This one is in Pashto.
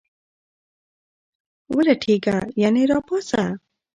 ولټیږه ..یعنی را پاڅه